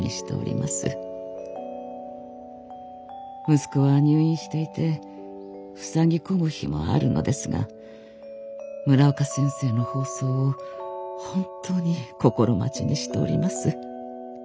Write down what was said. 息子は入院していてふさぎ込む日もあるのですが村岡先生の放送を本当に心待ちにしております。